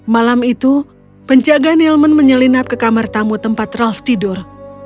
malam itu penjaga nilman menyelinap ke kamar tamu tempat ralf tidur